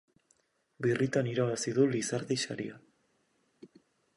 Birritan irabazi du Lizardi saria.